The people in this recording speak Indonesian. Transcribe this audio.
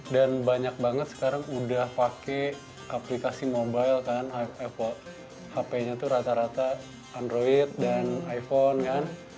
dan banyak banget sekarang udah pake aplikasi mobile kan hp nya itu rata rata android dan iphone kan